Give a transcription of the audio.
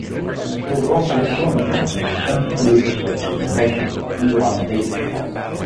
The school also currently houses the Center for Legal Services Innovation--LegalRnD for short.